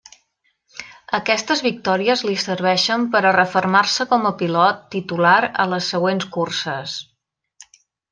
Aquestes victòries li serveixen per a refermar-se com a pilot titular a les següents curses.